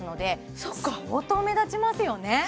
そっか相当目立ちますよね